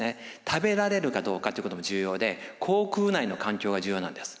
食べられるかどうかということも重要で口腔内の環境が重要なんです。